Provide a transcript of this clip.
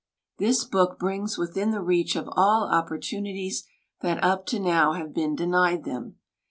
This book brings within the reach of all opportunities that up to now have been denied them.